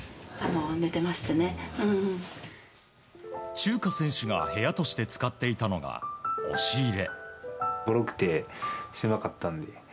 チューカ選手が部屋として使っていたのが押し入れ。